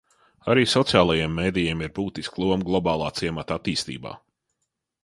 Arī sociālajiem medijiem ir būtiska loma globālā ciemata attīstībā.